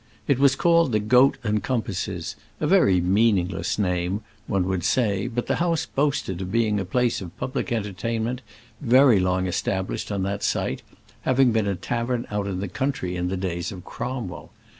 It was called the "Goat and Compasses," a very meaningless name, one would say; but the house boasted of being a place of public entertainment very long established on that site, having been a tavern out in the country in the days of Cromwell.